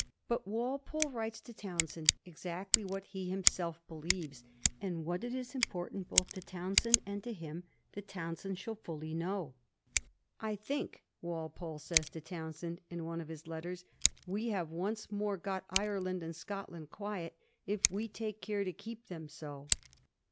But Walpole writes to Townshend exactly what he himself believes, and what it is important both to Townshend and to him that Townshend shall fully know. * I think,' Walpole says to Townshend in one of his letters, * we have once more got Ireland and Scotland quiet, if we take care to keep them so.'